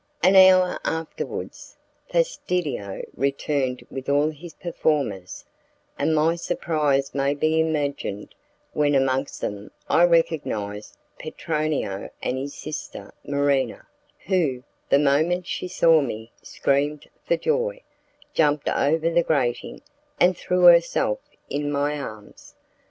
An hour afterwards, Fastidio returned with all his performers, and my surprise may be imagined when amongst them I recognized Petronio and his sister Marina, who, the moment she saw me, screamed for joy, jumped over the grating, and threw herself in my arms.